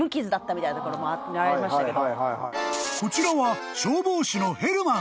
［こちらは］